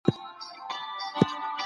ښاریان معمولا په سوداګرۍ بوخت وي.